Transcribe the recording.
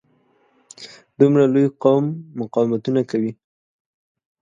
دومره لوی قوم مقاومتونه کوي.